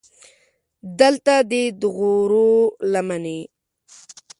دلته دې د غرو لمنې.